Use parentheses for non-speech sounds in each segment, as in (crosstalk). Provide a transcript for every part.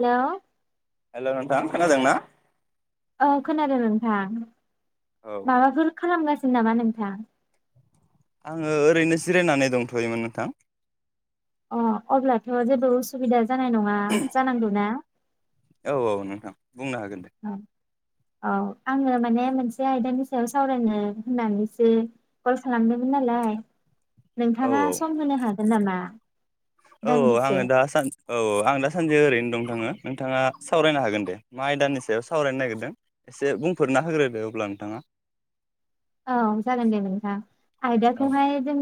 Hello hello नोंथां खोनादों ना? औ खोनादों नोंथां। औ माबाफोर खालामगासि नामा नोंथां आङो ओरैनो जिरायनानै दंथ'योमोन नोंथां अह अब्लाथ' जेबो उसुबिदा जानाय नङा जानांगौना‌? औ औ नोंथां बुंनो हागोन दे औ औ आङो माने मोनसे आयदानि सायाव सावरायनो होननानैसो कल खालामदोंमोन नालाय औ नोंथाङा औ सम होनो हाग गोन नामा औ दान्दिसे आङो दा सान औ आं दा सानसे ओरैनो दं थाङो नोंथाङा सावरायनो हागोन दे मा आयदानि सायाव सावरायनो नागिरदों एसे बुंफोरना होग्रोदो अब्ला नोंथाङा। औ जागोन दे नोंथां औ आयदाखौहाय जों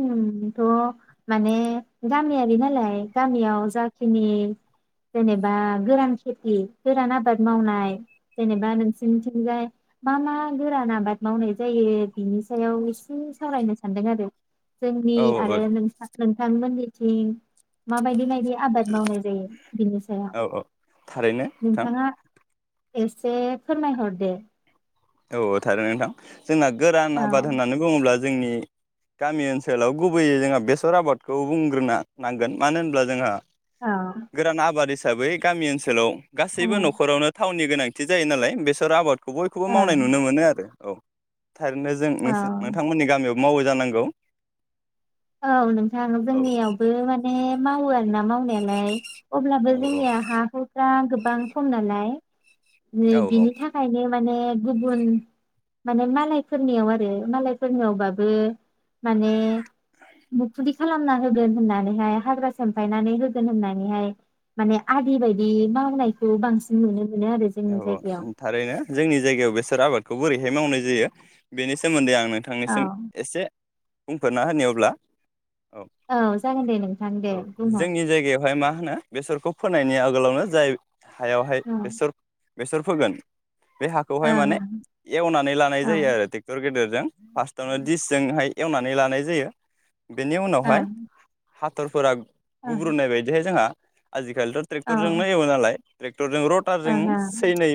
थ' माने गामियारि नालाय गामियाव जाखिनि जेनेबा गोरान खेथि गोरान आबाद मावनाय जेनेबा नोंसिनिथिंजाय मा मा गोरान आबाद मावनाय जायो बिनि सायाव एसे सावरायनो सानदों आरो। जोंनि औ औ आरो नोंसा नोंथांमोननिथिं माबायदि बायदि आबाद मावनाय जायो बिनि सायाव। औ औ थारैनो नोंथां नोंथाङा एसे फोरमायहरदो औ औ थारै नोंथां जोंना गोरान औ आबाद होननानै बुङोब्ला जोंनि गामि ओनसोलाव गुबैयै जोंहा बेसर आबादखौ बुंग्रोना नांगोन मानो होनब्ला जोंहा औ गोरान आबाद हिसाबै गामि ओनसोलाव औ गासैबो न'खरावनो थावनि गोनांथि जायो नालाय बेसर आबादखौ बो औ मावनाय नुनो मोनो आरो औ। थारैनो जों नों औ नोंथांमोननि गामियाव मावो जानांगौ। औ नोंथां औ जोंनियावबो माने मावो आरो ना मावनायालाय अब्लाबो औ जोंनिया हा हुफ्रा गो बां खम नालाय औ बिनि थाखायनो माने गुबुन माने मालायफोरनियाव आरो मालायफोरनियावबाबो माने मुखदि खालामना होगोन होननानैहाय हाग्रा सेमफायनानै होगोन होननानैहाय माने आदि बायदि मावनायखौ बांसिन नुनो मोनो आरो औ जोंनि जायगायाव औ थारैनो जोंनि जायगायाव बेसोर आबादखौ बोरै मावनाय जायो बेनि सोमोनदै आं औ नोंथांनिसिम एसे बुंफोरना होनि अब्ला औ जागोन दे नोंथां दे औ बुंहर जोंनि जायगायावहाय मा होनो बेसरखौ फोनायनि आगोलावनो जाय हायावहाय ओं बेसर बेसर फोगोन बे हाखौहाय ओं माने एवनानै लानाय जायो ओं आरो ट्रेक्टर गेदेर फोरजों फारस्ट आवनो दिस जों हाय एवनानै लानाय जायो। बेनि उनावहाय ओं हाथरफोरा ओं गुब्रुनाय बायदिहाय जोंहा आजि खालिथ' औ ट्रेक्टरजोंनो एवो नालाय। ट्रेथरजों र'टारजों ओं सै नै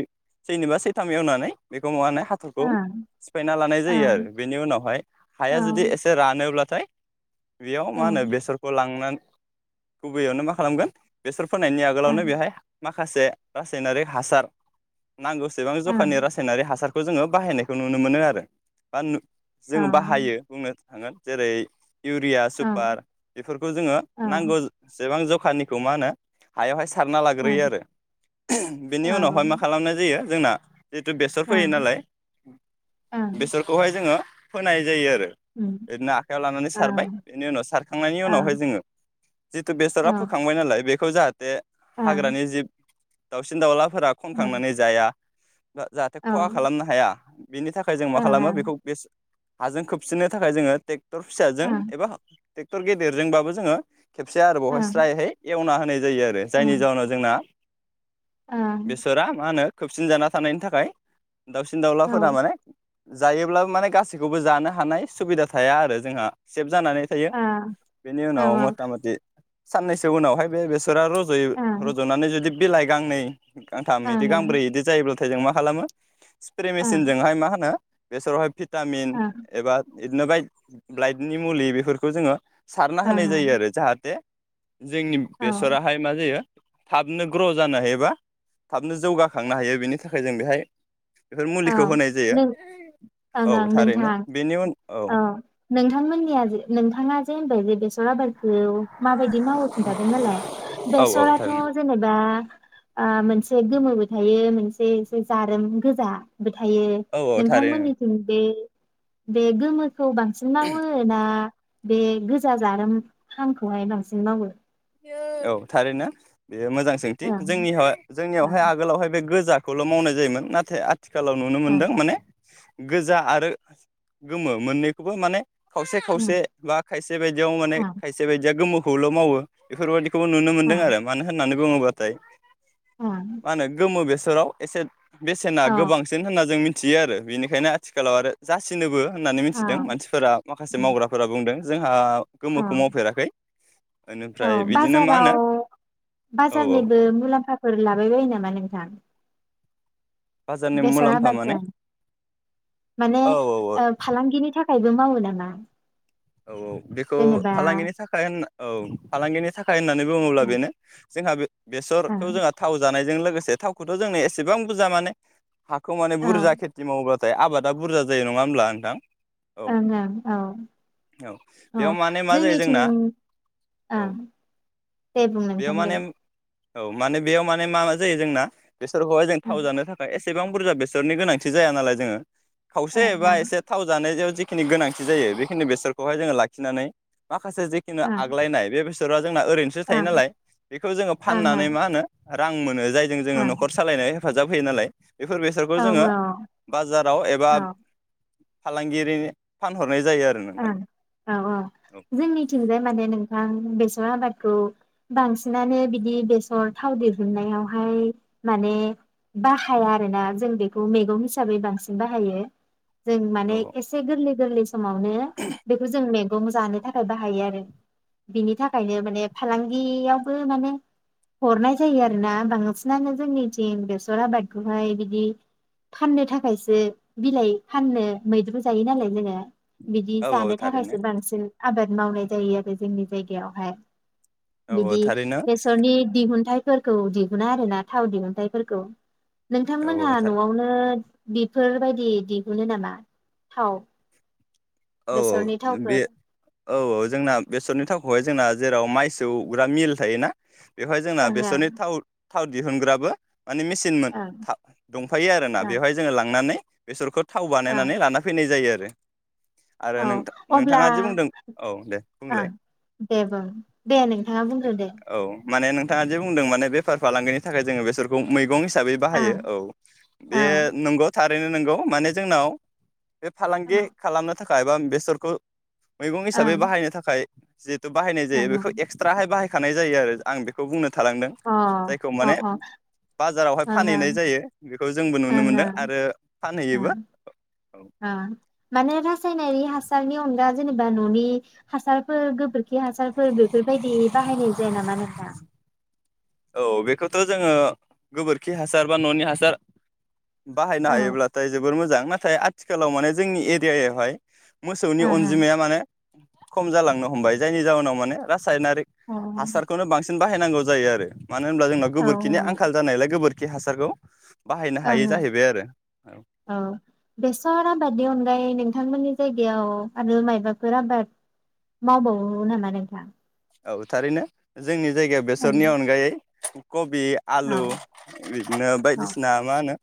सैनिबा सैथाम एवनानै बेखौ माबानो हाथरखौ ओं सिफायना लानाय जायो आरो बेनि उनावहाय हाया ओं जुदि एसे रानोब्लाथाय बेयाव मा ओं होनो बेसरखौ लांनानै गुबैययावनो मा खालामगोन बेसर फोनायनायनि औ आगोलावनो बेहाय मा माखासे रासायनारि हासार नांगौसेबां जखानि ओं रासायनारि हासारखौ जोङो बाहायनायखौ नुनो मोनो आरो बा जोङो ओं बाहायो बुंनो थांगोन जेरै- इउरिया ओं सुपार बेफोरखौ जोङो औ नांगौ सेबां जखा दखाननिखौ मा होनो हायाव हाय सारना लाग्रोयो आरो बिनि ओं उनावहाय मा खालामनाय जायो जोंना जिहेथु बेसर फैयो ओं नालाय ओं बेसरखौहाय जोङो फोनाय जायो आरो ओरैनो आखायाव लानानै सारबाय बेनि उनाव सारखांनायनि उनावहाय जोङो जिथु बेसरा फोखांबाय नालाय बे खौ जाहाथे हाग्रानि जिब दावसिन-दावला फोर खनखांनानै जाया जा-जाहाथे खहा खालामनो हाया बेनि थाखाय जों मा खालामो बेखौ बे हाजों खोबसिननो थाखाय जोङो टे क्टर फिसाजों एबा ट्रेक्टर गेदेरजोंबाबो जोङो खेबसे आरो बावहाय स्रायहै एवनाहो नाय जायो आरो जायनि जाहोनाव जोंना बेसरा मा होनो खोबसिन जाना थानायनि थाखाय दाउसिन-दाउलाफोरा माने जायोब्लाबो माने गासैखौबो जानो हानाय सुबिदा थाया आरो जोंहा से भजानानै थायो औ बेनि उनाव मता मति साननैसो उनावहाय बे बेसरा रजयो रज'नानै जुदि बिलाइ गांनै गां थाम बिदि गांब्रै बिदि जायोब्ला नाथाय जों मा खालामो स्प्रे मेसिनजोंहाय मा होनो बेसोरावहाय भिटामिन एबा बिदिनो बाय बइटनि मुलि बेफोरखौ जोङो सारना होनाय जायो आरो जाहाथे जोंनि बेसराहाय मा जायो थाबनो ग्र' जानो हायोबा थाबनो जौगाखांनो हायो बेनि थाखाय जों बेहाय बेफोर औ मुलिखौ होनाय जायो नों ओं औ ओं थारैनो नोंथां बेनि उन औ नोंथांमोननिया ज नोंथाङा जे होनबाय जे बेसे जला बाय माबायदि मावो खिन्थादों नालाय औ औ बेसराथ' थारैनो जेनेबा मोनसे गोमोबो थायो मोनसे एसे जारोम गोजा थायो औ औ थारैनो नोंथांमोननिथिं बे बेे गोमो खौ बांसिन मावो ना बे गोजा जार हांखौहाय बांसिन मावो औ थारै ना बेयो मोजां सोंथि ओं जोंनि ओं जोंनियावहाय आगोलावहाय बे गोजा खौल' मावनाय जायोमोन नाथाय आथिखालाव नुनो ओं मोनदों माने गोजा आरो गोमो मोननैखौबो माने खावसे खावसे बा खायसे बायदियाव माने ओं खायसे बायदिया गोमो खौल' मावो बेफोरबायदि खौ नुनो ओं मोनदों आरो मानो होननानै गङगथायाय ओं मान गोमो बेसेद बोसोराव एसे बेसेना औ गोबांसिन होनना जों मिथि मिथियो आरो बेनिखायनो आथिखालाव आरो जासिनोबो। होननानै औ मिथिदों मानसिफोरा माखासे मावग्राफोरा बुंदों। जोंहा औ गोमोखौ मावफेराखै। औ बेनिफ्राय बिदिनो मा बाजाराव होनो औ औ बाजारनिबो मुलाम्फाफोर लाबाय बायो नामा नोंथां? बाजारनि बेसर मुलाम्फा माने आबादजों माने औ औ ओ फालांगिनि थाख खायबो मावो नामा? औ औ बेखौ जेनेबा फालांगिनि थाखाय होनना औ फालांगिनि थाख खाय होननानै बुङोब्ला ओं बेनो जोंहा बे-बेसरखौ ओं जोंहा थाव जानाय जों लोगोसे थावखौथ जोंनो एसेबां बुजा माने हाखौ माने औ बुरजा खेटि मावोबा थाय आबादा बुरजा जायो नङा ओमब्ला नोंथां? औ ओं ओं औ। औ अ बेयाव माने मा जायो जोंनिथिं जोंना ओ औ दे बुं बेयाव नोंथां दे। माने औ माने बेयाव माने मा जायो जोंना बेसोरखौहाय जों ओं थाव जानो थाखाय एसे सेबां बुरजा बेसरनि गोनांथि जाया नालाय जोङो। खावसे ओं एबा ओं एसे थाव जानायजों जि खिनि गोनांथि जायो बे खिनि बेसरखौहाय जोङो लाखिनानै माखासे जेखिनि ओं आग्लायनाय बे बेसरा जोंना ओरैनोसो थायो ओं नालाय बिखौ जोङो ओं फाननानै ओं मा होनो रां मोनो। जायजों जोङो ओं नखर सालायनाय हेफाजाब होयो नालाय। बेफोर बेसरखौ औ जोंङो बाजाराव एबा औ फालांगिरिनो फानहरनाय जायो आ ओं औ औ जोंनिथिंजाय माने नोंथां बेसे ओ आबादखौ बांसिनानो बिदि बेसर थाव दिहुननायावहाय माने बाहाया आरोना जों बेखौ मैगं हिसाबै बांसिन बाहायो। जों औ माने एसे गोरलै गोरलै समावनो बेखौ जों में (unintelligible) जानो थाखाय बाहायो आरो बिनि थाखायनो माने फालांगियावबो माने हरनाय जायो आरोना बांसिनानो जोंनिथिं बेसर आबादखौहाय बिदि फाननो थाखायसो बिलाइ फाननो मैद्रु जायो नालाय जोङो बिदि औ औ जानो थारैनो थाखायसो बांसिन आबाद मावनाय जायो आरो जोंनि जायगायावहाय। औ औ बिदि थारैनो बेसरनि दिहुनथाइ फोरफोरखौ दिहुनो आरोना थाव दिहुनथाइफोरखौ औ नोंथांमोनहा न'वावनो बेफोरबायदि दिहुनो नामा थाव? औ औ बेसरनि बे थावफोर औ औ जोंना बेसरनि थावखौहाय जोंना जेराव माइसौग्रा मिल थायोना बेवहाय जोंना ओं ओं बेसरनि थाव थाव दिहुनग्राबो माने मेचिन मोन ओं फा दंफायो आरोना ओं बेवहाय जोङो लांनानै बेसोरखौ थाव ओं बानायनानै लाना फैनाय जायो। फ्राय औ अब्ला औ दे बुंलाय ओं दे बुं दे नोंथाङा बुंग्रो दे औ माने नोंथाङा जे बुंदों माने बेफार फालांगिनि थाखाय जोङो बेसरखौ मैगं हिसाबै ओं बाहायो औ बे नंगौ थार। रैनो नोंगौ माने जोंनाव बे फालांगि खालामनो थाखाय बा बेसरखौ मैगं हिसाबै बाहायनो थाखाय जे बायनाय अ जायो अ बेखौ एक्सट्राहाय बाहाय खानाय जायो आरो आं बेखौ बुंनो थालांदों ओं जायखौ ओं माने ओं बाजारावहाय फानहैनाय जायो। खौ जोंबो नुनो ओं मोनदों आरो फानहैयोबो। ओं ओं माने रासायनारि हासारनि अनगा जेनेबा न'नि हासारफोर गोबोर खि हासारफोर बेफोरबायदि बाहायनाय जाया नामा नों थां। औ बेखौथ' जोङो गोबोरखि हासार बा न'नि हासार बाहायनो औ हायोब्लाथाय जोबोर मोजां ना नाथाय आथिखालाव माने जोंनि एरियायावहाय मोसौनि ओं अनजिमाया माने खम जालांनो हमबाय जायनि जावोनाव माने राज रासायनारि ओं हासारखौनो बांसिन बाहायनांगौ जायो आरो। मानो होनब्ला जोंनाव औ गोबोरखिनि आंखाल जानायालाय गोबोर बे हासारखौ। बाहायनो ओं हायै ओं जाहैबाय आरो औ बेसर आबादनि अनगायै नों नोंथांमोननि जायगायाव आरो मायबाफोर आबाद मावबावो नामा नोंथां? औ थारैनो। जोंनि जायगायाव औ बेसरनि अनगायै कबि औ आलु बिदिनो औ बायदिसिना मा होनो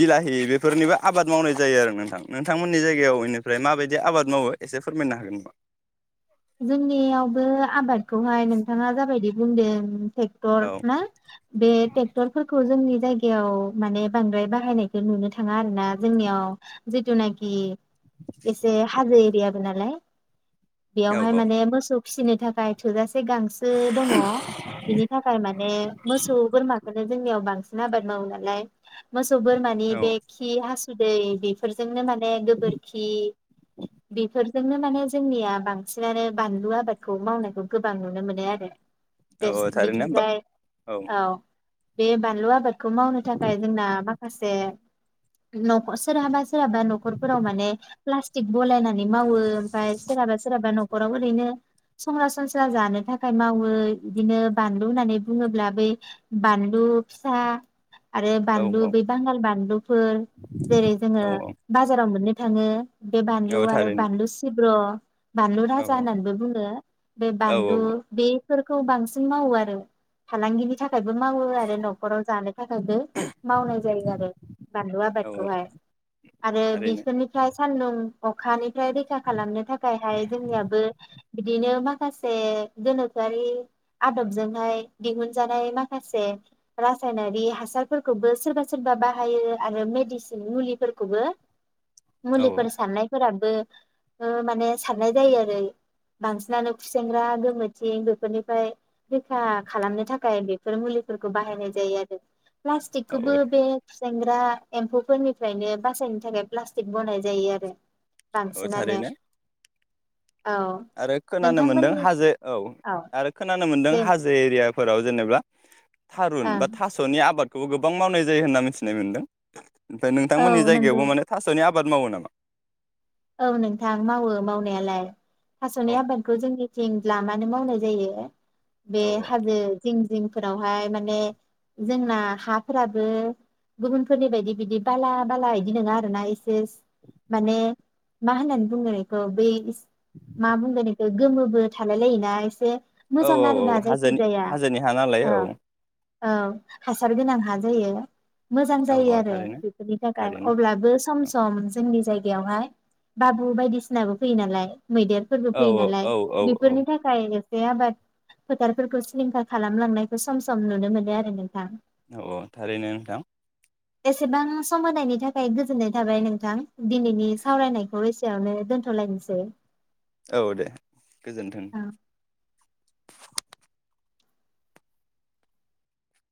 बिलाहि बेफोरनिबो आबाद मावनाय जायो आरो नोंथां नोंथांमोननि जायगायाव इनिफ्राय माबायदि आबाद मावो एसे फोरमायनो हागोन नामा? जोंनियाव ओ आबादखौहाय नोंथाङा जाब बायदि बुंदों। ट्रेक्टर औ ना बे ट्रेक्टरफोरखौ जोंनि जायगायाव माने बांद्राय बाहायनायखौ नुनो थाङा आरो ना जोंनियाव जिथुनोखि एसे हाजो एरियाबोनालाय। औ बेयावहाय औ माने मोसौ फिसिनो थाखाय थोजासे गांसो दङ बिनि थाखाय माने मोसौ बोरमाखो जोंनियाव बांसिन आबाद मावो नालाय मोस सौ बोरमानि औ बे खि हासुदै बेफोरजोंनो माने गोबोरखि बेफोर जोंनो माने जोंनिया बां बांसिनानो बानलु आबादखौ मावनायखौ गोबां नुनो मोनो आरो। औ बेस औ थारैनो होमबा बिथिंजाय औ। बे बानलु आबादखौ मावनो थाखाय जोंना माखासे न'ख सोरहा सोरहाबा न'खरफोराव माने प्लास्टिक बलायनानै मावो ओमफ्राय सोरहाबा सोरहाबा न'खराव ओरैनो सरासनस्रा जानो थाखाय मावो इदिनो बानलु होननानै बुङोब्ला बै बानलु फिसा आरो औ बानलु बै बांगाल बानलु फोर जेरै जोंङो औ बाजाराव मोन थाङो बे बानलु औ आरो थारैनो बानलु ब्र' बानलु औ राजा होननानैबो बुङो बे औ बानलु बे फोरखौ बांसिन मावो आरो फालांगिनि थाख थाखायबो मावो आरो न'खराव जानो थाखायबो मावनाय जायो आरो बानलु औ आबादखौहाय आरो थारैनो बिसोरनिफ्राय सान्दुं अखानिफ्राय रैखा खालामनो थाखाय थाखायहाय जोंनियाबो बिदिनो माखासे गोनोखोआरि आदबजोंहाय दिहुनजानाय माखासे रासायनारि हासारफोरखौबो सोरबा सोरबा बाहायो आरो मेडिसिन मुलिफोरखौबो औ मुलिफोर साननायफोरा बो माने सारनाय जायो आरो बांसिनानो खुसेेंग्रा गोमोथिं बेफोरनिफ्राय रैखा खालामनो थाखाय बेफोर मुलिफोरखौ बाहायनाय जायो आरो औ प्लास्टिकखौबो बे सेंग्रा एम्फौफोरनिफ्रायनो बासायनो थाखाय प्लास्टिक बानायनाय जायो आरो औ बांसिनानो थारैनो औ आरो खोनानो मोनदों नोंथांमोननि हाजो औ आरो खोनानो मोनदों दे हाजो एरिया फोराव जेनेबा थारुन ओं बा थास'नि आबाद खौबो गोबां मावनाय जायो होनना मिथिनाय मोनदों ओमफ्राय नोंथांनि औ नंगौ जायगायावबो माने थास'नि आ आबाद मावो नामा औ नोंथां मावो मावनायालाय थास'नि औ आबादखौ जोंनि थिं लामानो मावनाय जायो बे औ हाजो जिं जिंफोरावहाय माने जोंना हाफोराबो गुबुनफोरनि बायदि बिदि बाला बाला बिदि नङा आर ना एसे माने मा होननानै बुंगोन इखौ बे मा बुंगोन इखौ गोमोबो थालाय लायोना एसे औ मोजां औ औ आरोना जायखि हाजोनि जाया हाजोनि हा नालाय औ औ हासार गोनां हा जायो मोजां औ जायो औ आरो थारैनो बेफोरनि थाखाय थारैनो अब्लाबो सम-सम जोंनि जायगायावहाय बाबु बायदिसिनाबो फैयो नालाय मैदेरफोरबो औ फैयो नालाय औ औ औ बेफोरनि थाखाय बे आबाद फोथारफोरखौ सिलिंखार खालामलांनायखौ सम सम नुनो मोनो आरो नोंथां औ औ थारैनो नोंथां बेसेबां सम होनायनि थाखाय गोजोननाय थाबाय नोंथां दिनैनि सावरायनाय एसेयावनो दोनथ'लायनोसै औ दे गोजोन्थों।